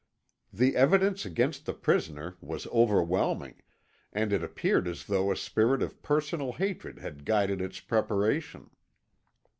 The evidence against the prisoner was overwhelming, and it appeared as though a spirit of personal hatred had guided its preparation.